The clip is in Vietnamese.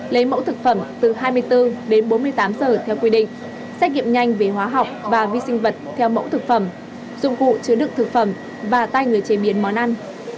lấy mẫu thực phẩm từ hai mươi bốn đến bốn mươi tám giờ theo quy định xét nghiệm nhanh về hóa học và vi sinh vật theo mẫu thực phẩm dụng cụ chứa đựng thực phẩm và tay người chế biến món ăn